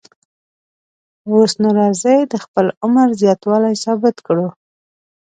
اوس نو راځئ د خپل عمر زیاتوالی ثابت کړو.